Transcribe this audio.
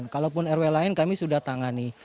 kalaupun rw lain kami sudah tangani